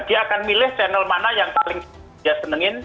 dia akan memilih channel mana yang paling dia senangkan